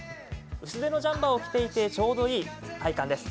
薄手のジャンパーを着ていてちょうどいい体感です。